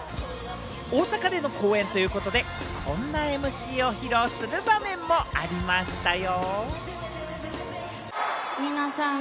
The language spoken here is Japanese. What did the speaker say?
大阪での公演ということで、こんなＭＣを披露する場面もありましたよ。